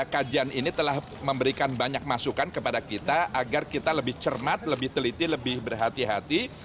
kajian ini telah memberikan banyak masukan kepada kita agar kita lebih cermat lebih teliti lebih berhati hati